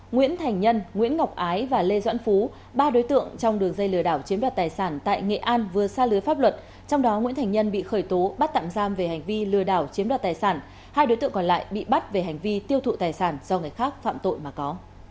nguyễn thành nhân nguyễn ngọc ái và lê doãn phú ba đối tượng trong đường dây lừa đảo chiếm đoạt tài sản tại nghệ an vừa xa lưới pháp luật trong đó nguyễn thành nhân bị khởi tố bắt tạm giam về hành vi lừa đảo chiếm đoạt tài sản hai đối tượng còn lại bị bắt về hành vi tiêu thụ tài sản do người khác phạm tội mà có